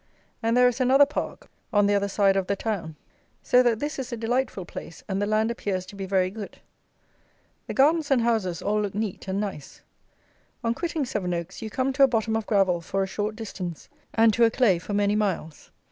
And there is another park, on the other side of the town. So that this is a delightful place, and the land appears to be very good. The gardens and houses all look neat and nice. On quitting Seven Oaks you come to a bottom of gravel for a short distance, and to a clay for many miles.